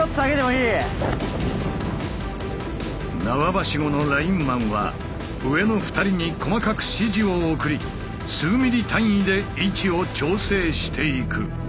縄ばしごのラインマンは上の２人に細かく指示を送り数ミリ単位で位置を調整していく。